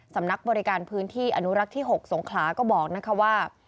สำนักบริการพื้นที่อนุรักษ์ที่๖สงขลาก็บอกนะคะว่า